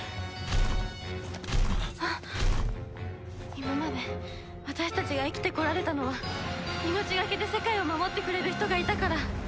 今まで私たちが生きてこられたのは命がけで世界を守ってくれる人がいたから。